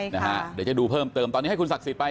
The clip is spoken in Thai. เดี๋ยวจะดูเพิ่มเติมตอนนี้ให้คุณศักดิ์สิทธิไป